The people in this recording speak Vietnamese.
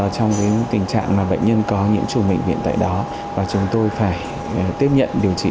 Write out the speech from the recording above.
trong tình trạng mà bệnh nhân có nhiễm chủ bệnh viện tại đó và chúng tôi phải tiếp nhận điều trị